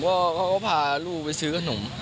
ผมก็พาลูกไปซื้อกระหนุ่ม